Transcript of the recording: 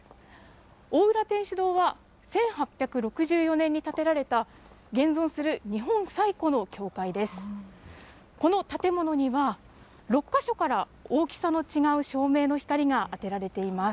大浦天主堂は、１８６４年に建てられた現存する日本最古の教会です。